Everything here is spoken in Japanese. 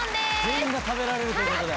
全員が食べられるということで。